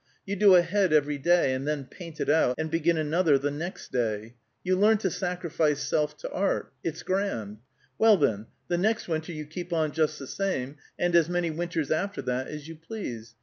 You do a head every day, and then paint it out, and begin another the next day. You learn to sacrifice self to art. It's grand! Well, then, the next winter you keep on just the same, and as many winters after that as you please.